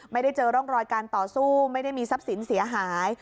ไม่ได้เจอร่องรอยการต่อสู้ไม่ได้มีทรัพย์สินเสียหาย